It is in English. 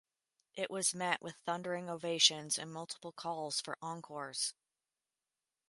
It was met with thundering ovations and multiple calls for encores.